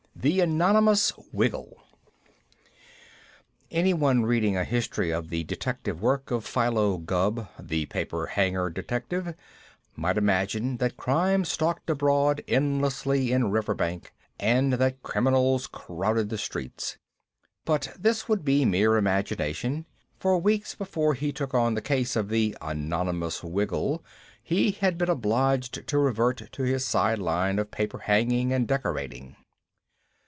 THE ANONYMOUS WIGGLE Any one reading a history of the detective work of Philo Gubb, the paper hanger detective, might imagine that crime stalked abroad endlessly in Riverbank and that criminals crowded the streets, but this would be mere imagination. For weeks before he took on the case of the Anonymous Wiggle, he had been obliged to revert to his side line of paper hanging and decorating.